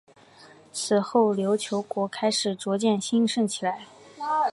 此后琉球国开始逐渐兴盛起来。